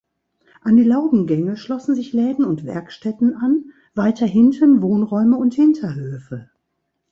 An die Laubengänge schlossen sich Läden und Werkstätten an, weiter hinten Wohnräume und Hinterhöfe.